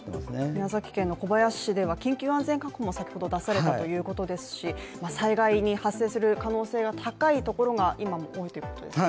宮崎県の小林市では緊急安全確保も出されたということですし災害につながる確率が高いところが今も多いということですよね。